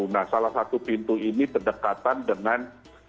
nah salah satu pintu ini berdekatan dengan